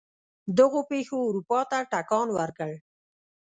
دغو پېښو اروپا ته ټکان ورکړ.